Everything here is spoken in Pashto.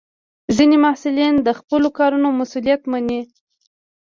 ځینې محصلین د خپلو کارونو مسؤلیت مني.